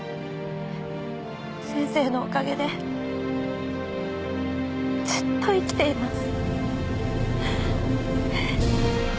先生のおかげでずっと生きています。